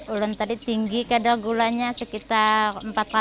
ulun tadi tinggi kadar gulanya sekitar empat ratus delapan puluh empat